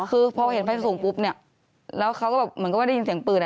คือพอเห็นไฟสูงปุ๊บเนี่ยแล้วเขาก็แบบเหมือนก็ว่าได้ยินเสียงปืนอ่ะ